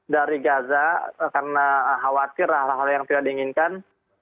dari gaza karena khawatir hal hal yang tidak diinginkan